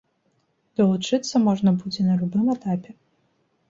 Далучыцца можна будзе на любым этапе.